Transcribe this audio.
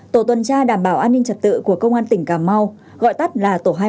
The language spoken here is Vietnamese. tổ tuần tra đảm bảo an ninh trật tự của công an tỉnh cà mau gọi tắt là tổ hai trăm linh